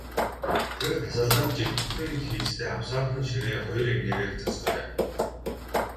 Тэр тасалгаанд жигдхэн хийцтэй авсаархан ширээ хоёр эгнээгээр засжээ.